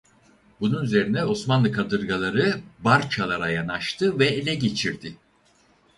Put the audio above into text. Bunun üzerine Osmanlı kadırgaları barçalara yanaştı ve ele geçirdi.